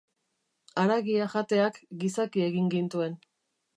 Haragia jateak gizaki egin gintuen.